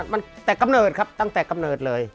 มันแต่กำเนิดครับตั้งแต่กำเนิดเลย